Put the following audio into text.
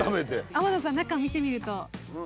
天野さん中見てみると。